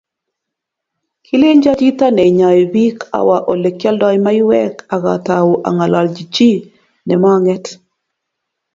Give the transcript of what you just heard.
Kilenjo chita neinyoi biik awa ole kioldoi maiywek akatau angololji chi nimanget